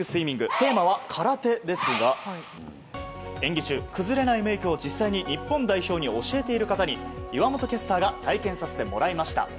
テーマは空手ですが演技中、崩れないメイクを実際に教えている方に岩本キャスターが体験させてもらいました。